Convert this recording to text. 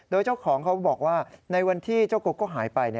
โดยเจ้าของเขาบอกว่าในวันที่เจ้าโกโก้หายไป